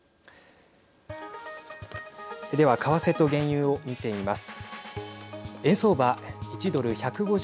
では為替と原油を見てみます。